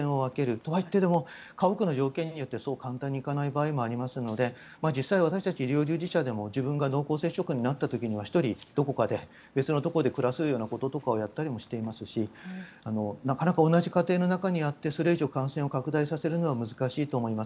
とはいっても家屋の条件によってそう簡単にいかない場合がありますので実際、私たち医療従事者でも自分が濃厚接触者になった時には１人どこかで別のところで暮らすようなことをやったりもしていますしなかなか同じ家庭の中にあってそれ以上感染を拡大させるのは難しいと思います。